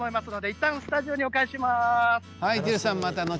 いったんスタジオにお返しします。